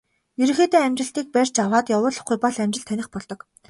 Ерөнхийдөө амжилтыг барьж аваад явуулахгүй бол амжилт таных болдог.